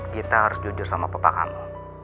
kita harus jujur sama papa kamu